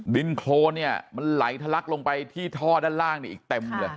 ดินโครนเนี่ยมันไหลทะลักลงไปที่ท่อด้านล่างนี่อีกเต็มเลย